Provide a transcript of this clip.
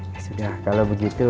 ya sudah kalau begitu